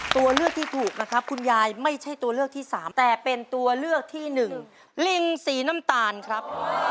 ตัวเลือกที่ถูกนะครับคุณยายไม่ใช่ตัวเลือกที่สามแต่เป็นตัวเลือกที่หนึ่งลิงสีน้ำตาลครับ